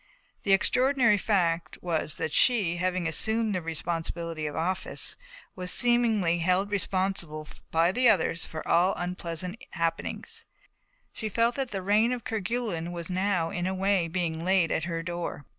The extraordinary fact was that she, having assumed the responsibility of office, was, seemingly, held responsible by the others for all unpleasant happenings; she felt that the rain of Kerguelen was now, in a way, being laid at her door.